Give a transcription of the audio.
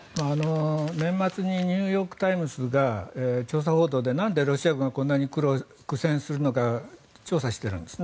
年末にニューヨーク・タイムズが調査報道でなんでロシア軍がこんなに苦戦するのか調査しているんですね。